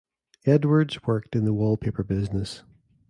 Edwards worked in the wallpaper business.